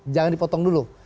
jangan dipotong dulu